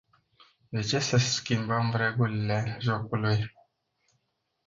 De ce să schimbăm regulile jocului?